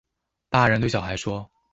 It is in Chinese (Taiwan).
大人對小孩說